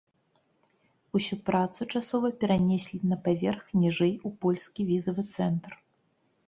Усю працу часова перанеслі на паверх ніжэй у польскі візавы цэнтр.